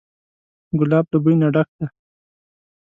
ګلاب له بوی نه ډک دی.